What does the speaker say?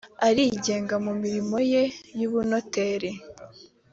arigenga mu mirimo ye y’ubunoteri